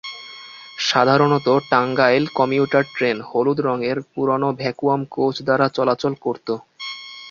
সাধারনত Tangail commuter train হলুদ রঙের পুরনো ভ্যাকুয়াম কোচ দ্বারা চলাচল করত।